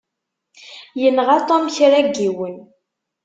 Yenɣa Tom kra n yiwen.